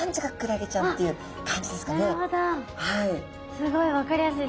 すごい分かりやすい。